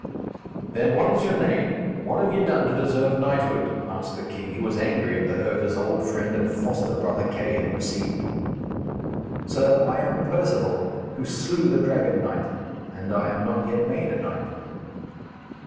'Then what is your name? What have ye done to deserve knighthood?' asked the king, who was angry at the hurt his old friend and foster brother Kay had received. 'Sir, I am Perceval who slew the Dragon Knight, and I am not yet made a knight.'